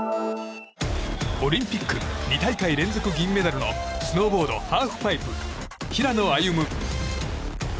オリンピック２大会連続銀メダルのスノーボード・ハーフパイプ平野歩夢。